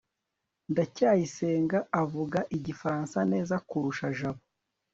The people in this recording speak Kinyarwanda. ndacyayisenga avuga igifaransa neza kurusha jabo